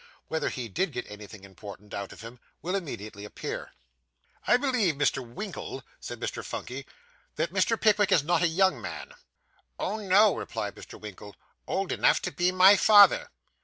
Whether he did get anything important out of him, will immediately appear. 'I believe, Mr. Winkle,' said Mr. Phunky, 'that Mr. Pickwick is not a young man?' 'Oh, no,' replied Mr. Winkle; 'old enough to be my father.